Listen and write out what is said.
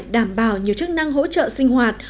đảm bảo nhiều chức năng hỗ trợ sinh hoạt